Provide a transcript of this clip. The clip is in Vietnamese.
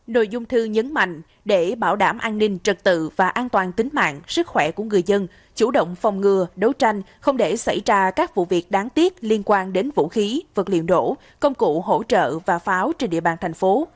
nội dung thư nhấn mạnh để bảo đảm an ninh trật tự và an toàn tính mạng sức khỏe của người dân chủ động phòng ngừa đấu tranh không để xảy ra các vụ việc đáng tiếc liên quan đến vũ khí vật liệu nổ công cụ hỗ trợ và pháo trên địa bàn thành phố